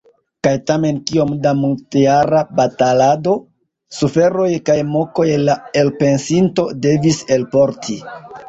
Kaj tamen kiom da multjara batalado, suferoj kaj mokoj la elpensinto devis elporti!